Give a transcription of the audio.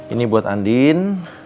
ini buat andin